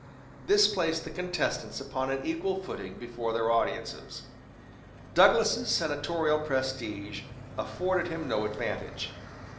This placed the contestants upon an equal footing before their audiences. Douglas's senatorial prestige afforded him no advantage.